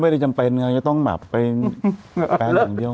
ไม่จำเป็นนะเช่านั้นต้องเป็นแฟนอย่างเดียว